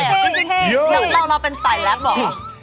เฮ้ยเฮ้ยแล้วเราเป็นใส่แรปเหรอ